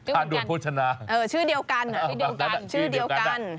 ทานด่วนโภชนาเออชื่อเดียวกันเดียวกันชื่อเดียวกัน